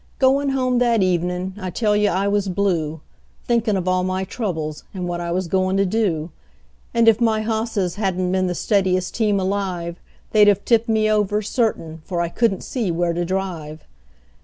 Goin' home that evenin' I tell you I was blue, Thinkin' of all my troubles, and what I was goin' to do; And if my hosses hadn't been the steadiest team alive, They'd 've tipped me over, certain, for I couldn't see where to drive.